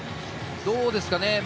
どうですかね？